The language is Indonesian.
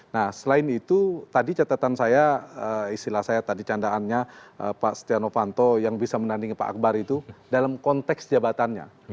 nah selain itu tadi catatan saya istilah saya tadi candaannya pak setia novanto yang bisa menandingi pak akbar itu dalam konteks jabatannya